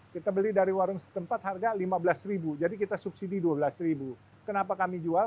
kita beli dari warung setempat harga rp lima belas jadi kita subsidi rp dua belas kenapa kami jual